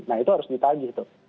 nah itu harus ditagih tuh